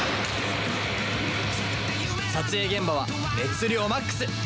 撮影現場は熱量マックス！